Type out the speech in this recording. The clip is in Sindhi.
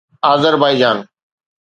آذربائيجان